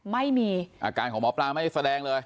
ไม่มีอาการของหมอปลาไม่แสดงเลย